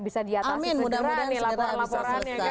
bisa diatasi amin mudah mudahan segera bisa selesai